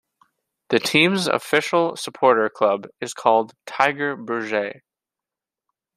The team's official supporter club is called "Tigerberget".